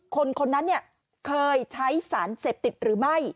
คนนั้นเนี่ยเคยใช้สารเสพติดหรือไม่